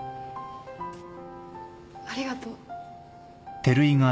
ありがとう。